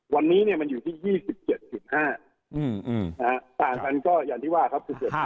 วันนี้มันอยู่ที่๒๗๕ต่างกันก็อย่างที่ว่าครับ